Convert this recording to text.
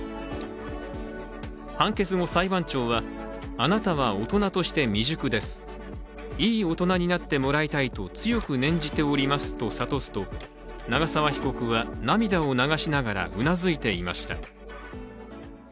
判決後、裁判長はあなたは大人として未熟ですいい大人になってもらいたいと強く念じておりますと諭すと長沢被告は涙を流しながらうなずいていました。